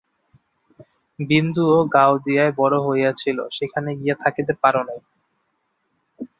বিন্দুও গাওদিয়ায় বড় হইয়াছিল, সেখানে গিয়া থাকিতে পারো নাই।